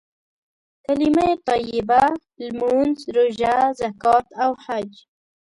کليمه طيبه، لمونځ، روژه، زکات او حج.